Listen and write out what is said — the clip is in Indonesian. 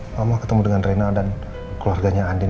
mama ketemu dengan renal dan keluarganya andin